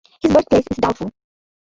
His birthplace is doubtful.